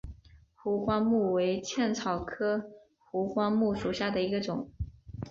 壶冠木为茜草科壶冠木属下的一个种。